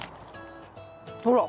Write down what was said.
ほら。